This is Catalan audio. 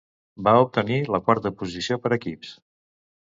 Va obtenir la quarta posició per equips.